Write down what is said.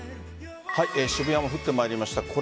渋谷も降ってまいりました。